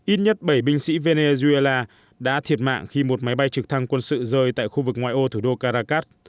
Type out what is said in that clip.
ít nhất bảy binh sĩ venezuela đã thiệt mạng khi một máy bay trực thăng quân sự rơi tại khu vực ngoại ô thủ đô caracas